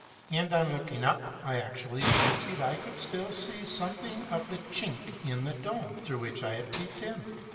And, on looking up, I actually fancied I could still see something of the chink in the dome, through which I had peeped in.